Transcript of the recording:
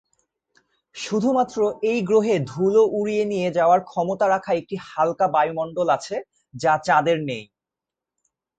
শুধুমাত্র এই গ্রহে ধুলো উড়িয়ে নিয়ে যাওয়ার ক্ষমতা রাখা একটি হালকা বায়ুমণ্ডল আছে, যা চাঁদের নেই।